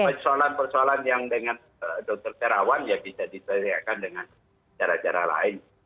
persoalan persoalan yang dengan dokter terawan ya bisa diselesaikan dengan cara cara lain